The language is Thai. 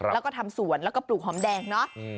แล้วก็ทำสวนแล้วก็ปลูกหอมแดงเนาะ